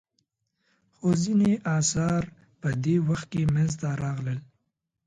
خو ځینې اثار په دې وخت کې منځته راغلل.